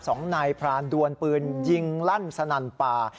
สองนายพรานดวนปืนยิงลั่นสนั่นป่า